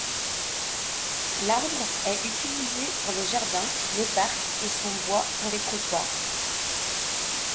L'arbre est utilisé pour les jardins, les parcs et son bois pour les trottoirs.